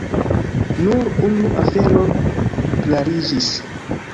Nur unu afero klariĝis.